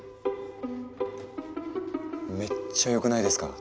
めっちゃ良くないですか？